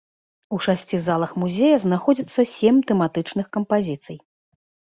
У шасці залах музея знаходзяцца сем тэматычных кампазіцый.